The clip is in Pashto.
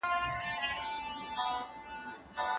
سوداګريزې پانګي لا دمخه خپله ګټه کړې وه.